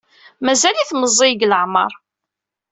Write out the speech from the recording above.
Mazal-it meẓẓiy deg leɛmeṛ.